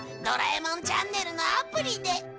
「ドラえもんチャンネル」のアプリで。